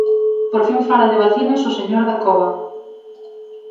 Por fin fala de vacinas o señor Dacova.